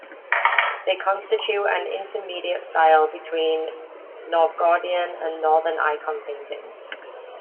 They constitute an intermediate style between Novgorodian and Northern icon painting.